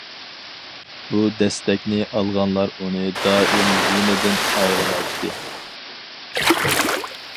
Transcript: بۇ دەستەكنى ئالغانلار ئۇنى دائىم يېنىدىن ئايرىمايتتى.